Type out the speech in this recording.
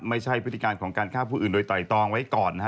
ไม่ใช่พฤติการของการฆ่าผู้อื่นโดยต่อยตองไว้ก่อนนะครับ